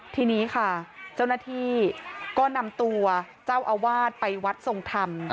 ทีนี้ค่ะเจ้าหน้าที่ก็นำตัวเจ้าอาวาสไปวัดทรงธรรม